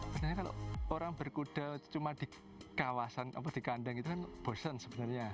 sebenarnya kalau orang berkuda cuma di kawasan apa di kandang itu kan bosen sebenarnya